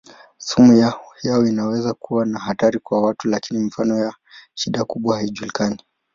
Sumu yao inaweza kuwa na hatari kwa watu lakini mifano ya shida kubwa haijulikani.